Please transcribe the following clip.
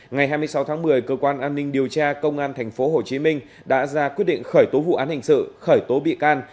ngày hai mươi sáu tháng một mươi cơ quan an ninh điều tra công an tp hcm đã ra quyết định khởi tố vụ án hình sự khởi tố bị can